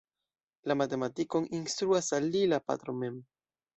La matematikon instruas al li la patro mem.